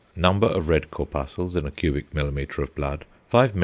Number of red corpuscles in a cubic millimeter of blood 5,780,000.